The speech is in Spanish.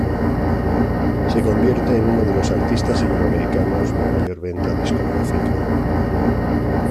Se convierte en uno de los artistas latinoamericanos de mayor venta discográfica.